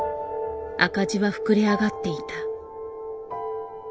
赤字は膨れ上がっていた。